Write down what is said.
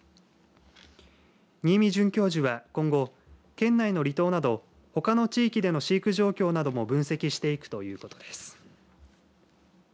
新美准教授は、今後県内の離島などほかの地域での飼育状況なども分析していくということです。